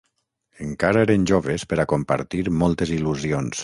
Encara eren joves per a compartir moltes il·lusions.